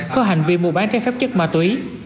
có hành vi mua bán trái phép chất ma túy